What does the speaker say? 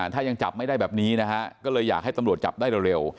ถ้ายังจับไม่ได้แบบนี้นะฮะก็เลยอยากให้ตำรวจจับได้เร็ว